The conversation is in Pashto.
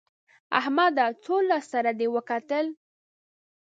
احمده! څو لاس سره دې وګټل؟